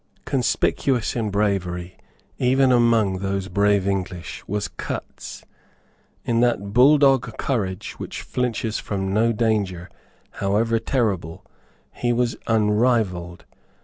Conspicuous in bravery even among those brave English was Cutts. In that bulldog courage which flinches from no danger, however terrible, he was unrivalled.